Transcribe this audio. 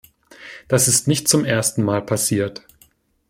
Das ist nicht zum ersten Mal passiert.